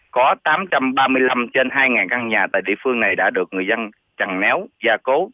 có tám trăm ba mươi năm trên hai căn nhà tại địa phương này đã được người dân chẳng néo gia cố